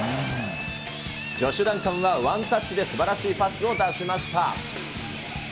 ジョシュ・ダンカンはワンタッチですばらしいパスを出しました。